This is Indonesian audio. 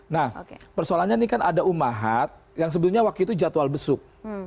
nah persoalannya ini kan ada umahat yang sebelumnya waktu itu jadwal besuk